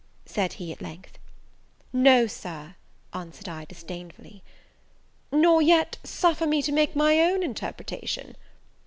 said he, at length. "No, Sir," answered I, disdainfully. "Nor yet suffer me to make my own interpretation?